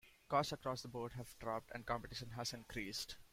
Costs across the board have dropped, and competition has increased.